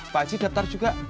pak zee daftar juga